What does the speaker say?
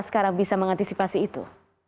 sekarang bisa mengantisipasi itu